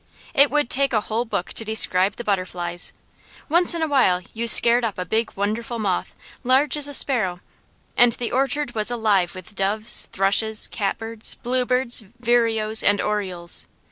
It would take a whole book to describe the butterflies; once in a while you scared up a big, wonderful moth, large as a sparrow; and the orchard was alive with doves, thrushes, catbirds, bluebirds, vireos, and orioles.